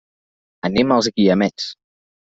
Anem als Guiamets.